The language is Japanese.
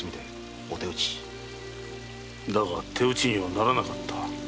だが手討ちにはならなかった。